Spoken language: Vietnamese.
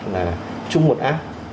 là chung một áp